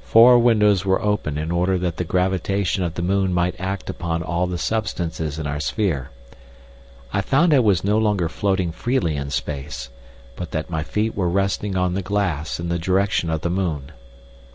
Four windows were open in order that the gravitation of the moon might act upon all the substances in our sphere. I found I was no longer floating freely in space, but that my feet were resting on the glass in the direction of the moon.